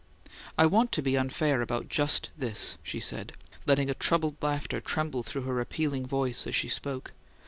"I want to be unfair about just this," she said, letting a troubled laughter tremble through her appealing voice as she spoke.